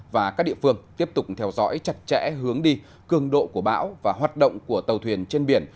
và các địa phương tiếp tục theo dõi chặt chẽ hướng đi cường độ của bão và hoạt động của tàu thuyền trên biển